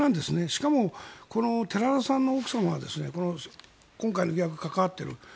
しかも寺田さんの奥さんは今回の疑惑に関わっている。